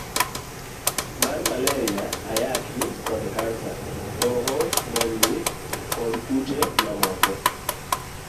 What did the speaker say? C. mar Maleria, Ayaki, kod kansa D. Dhoho, momni, kod kute mamoko.